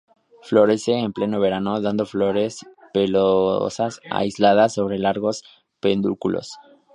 Florece en pleno verano, dando flores pelosas aisladas sobre largos pedúnculos.